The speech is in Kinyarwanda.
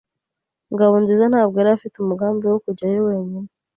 Ngabonziza ntabwo yari afite umugambi wo kujyayo wenyine.